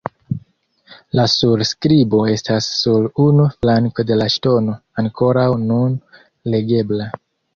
La surskribo estas sur unu flanko de la ŝtono ankoraŭ nun legebla.